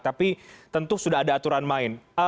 tapi tentu sudah ada aturan main